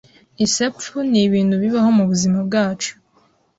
Isepfu ni ibintu bibaho mu buzima bwacu